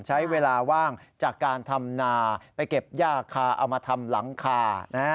ใช้เวลาว่างจากการทำนาไปเก็บย่าคาเอามาทำหลังคา